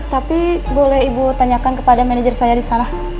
tapi boleh ibu tanyakan kepada manajer saya disana